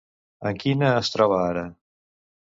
En quina es troba ara?